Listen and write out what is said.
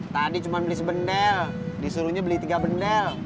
tadi cuma beli bendel disuruhnya beli tiga bendel